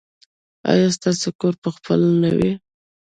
ایا ستاسو کور به خپل نه وي؟